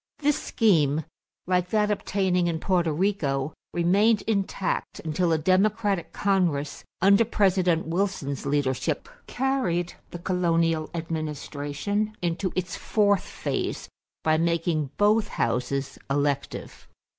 This scheme, like that obtaining in Porto Rico, remained intact until a Democratic Congress under President Wilson's leadership carried the colonial administration into its fourth phase by making both houses elective.